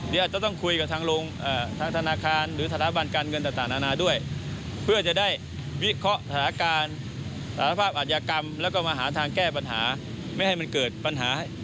เดี๋ยวอาจจะต้องคุยกับทางลงทางธนาคารหรือฐานบันการเงินต่างด้วยเพื่อจะได้วิเคราะห์ฐานการสาธารณภาพอาทยากรรมและก็มาหาทางแก้ปัญหาไม่มันเกิดปัญหาเข้าขึ้น